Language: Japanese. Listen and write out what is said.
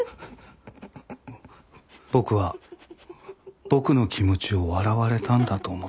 僕は僕の気持ちを笑われたんだと思った。